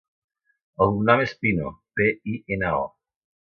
El cognom és Pino: pe, i, ena, o.